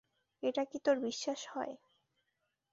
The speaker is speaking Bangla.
এটা কি তোর বিশ্বাস হয়?